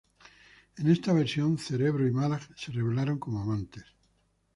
En esta versión, Cerebro y Mallah se revelaron como amantes.